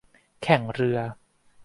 แข่งเรือ